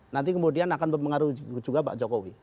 nanti kemudian akan berpengaruh juga pak jokowi